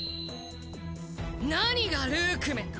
何がルークメンだ！